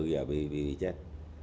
và bị chết